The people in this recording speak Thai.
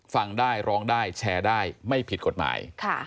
ฟังได้ร้องได้แชร์ได้ไม่ผิดกฎหมาย